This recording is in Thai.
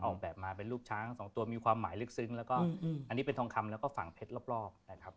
ออกแบบมาเป็นลูกช้างสองตัวมีความหมายลึกซึ้งแล้วก็อันนี้เป็นทองคำแล้วก็ฝั่งเพชรรอบนะครับ